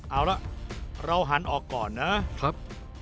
เอาละเราหันออกก่อนนะครับ